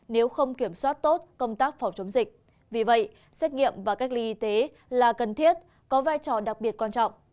nếu không kiểm soát tốt công tác phòng chống dịch vì vậy xét nghiệm và cách ly y tế là cần thiết có vai trò đặc biệt quan trọng